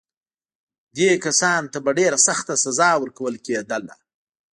دې کسانو ته به ډېره سخته سزا ورکول کېدله.